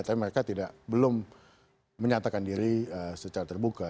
tapi mereka belum menyatakan diri secara terbuka